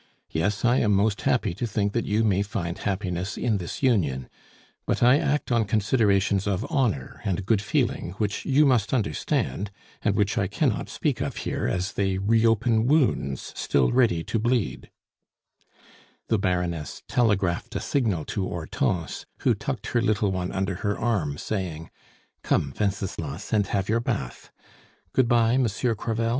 Yes, I am most happy to think that you may find happiness in this union; but I act on considerations of honor and good feeling which you must understand, and which I cannot speak of here, as they reopen wounds still ready to bleed " The Baroness telegraphed a signal to Hortense, who tucked her little one under her arm, saying, "Come Wenceslas, and have your bath! Good bye, Monsieur Crevel."